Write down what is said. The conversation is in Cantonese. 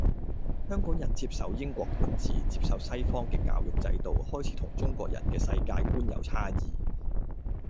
香港人接受英國管治，接受西方嘅教育制度，開始同中國人嘅世界觀有差異